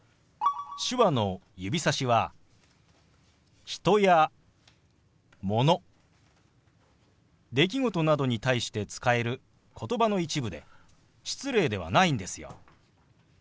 手話の指さしは人やもの出来事などに対して使える言葉の一部で失礼ではないんですよ。